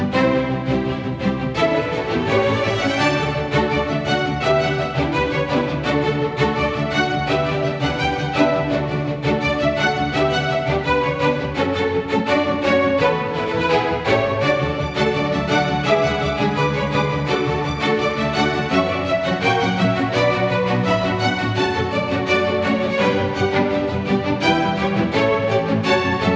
trên cả nước